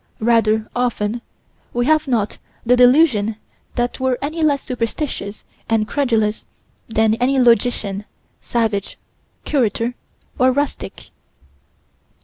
Rather often we have not the delusion that we're any less superstitious and credulous than any logician, savage, curator, or rustic.